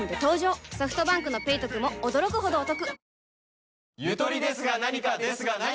ソフトバンクの「ペイトク」も驚くほどおトク